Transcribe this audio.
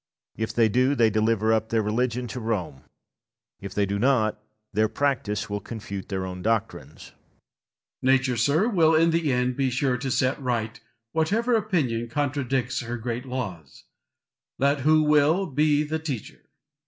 If they do, they deliver up their religion to Rome; if they do not, their practice will confute their own doctrines. Lord Falkland. Nature, sir, will in the end be sure to set right whatever opinion contradicts her great laws, let who will be the teacher.